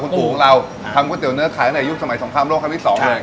คุณปู่ของเราครับทำก๋วยเจ๋วเนื้อขายตั้งแต่ยุคสมัยสงครามโลกครั้งที่สองเลย